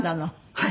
はい。